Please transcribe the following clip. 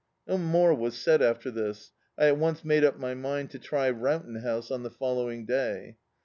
No more was said after this. I at once made up my mind to try Rowton House on the following day.